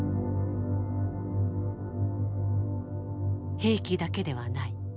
兵器だけではない。